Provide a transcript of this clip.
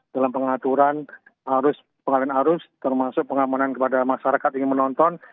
dalam pengaturan arus pengalian arus termasuk pengamanan kepada masyarakat ingin menonton